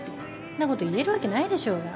んなこと言えるわけないでしょうが。